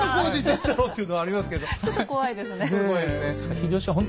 ちょっと怖いですね。